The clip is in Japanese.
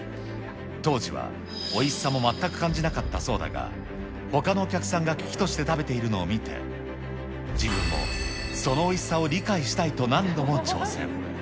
当時はおいしさも全く感じなかったそうだが、ほかのお客さんが喜々として食べているのを見て、自分もそのおいしさを理解したいと何度も挑戦。